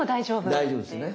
大丈夫ですね。